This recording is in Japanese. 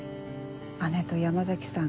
姉と山崎さん